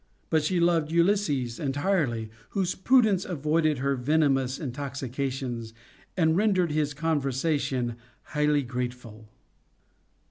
But she loved Ulysses entirely, whose prudence avoided her venomous intoxica tions and rendered his conversation highly grateful.